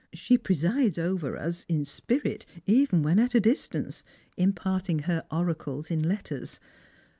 She pre sides over us in spirit even when at a distance, imparting her oracles in letters.